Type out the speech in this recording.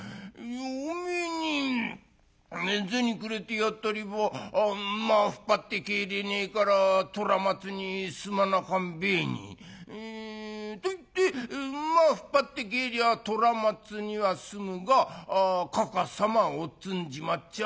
「おめえに銭くれてやったれば馬引っ張って帰れねえから虎松にすまなかんべえに。といって馬引っ張って帰りゃ虎松には済むがかかさまおっつんじまっちゃ